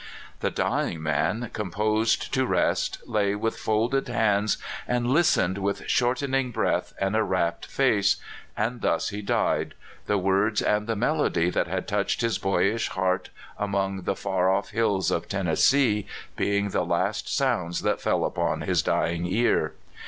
The dying man, composed to rest, lay with folded hands and listened with shortening breath 334 CALIFORNIA SKETCHES. and a rapt face, and thus he died, the words and the melody that had touched his boyish heart among the far off hills of Tennessee being the last sounds that fell upon his dying ear.